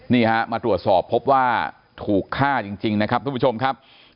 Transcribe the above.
นี่ฮะมาตรวจสอบพบว่าถูกฆ่าจริงนะครับทุกผู้ชมครับ